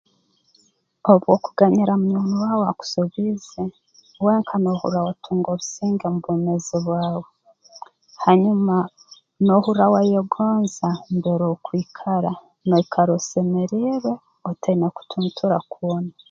Obu okuganyira munywani waawe akusobiize wenka noohurra waatunga obusinge mu bwomeezi bwawe hanyuma noohurra wayegonza mbere okwikara noikara osemeriirwe otaine kutuntura kwona